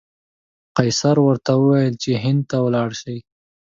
قیصر ورته وویل چې هند ته ولاړ شي.